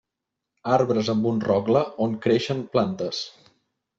Arbres amb un rogle on creixen plantes.